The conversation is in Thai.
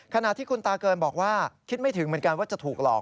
ขณะที่คุณตาเกินบอกว่าคิดไม่ถึงเหมือนกันว่าจะถูกหลอก